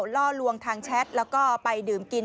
ล่อลวงทางแชทแล้วก็ไปดื่มกิน